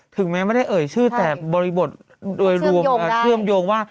ถึงแม้ไม่ได้เอ่ยชื่อแต่บริบทโดยรวมเชื่อมโยงว่า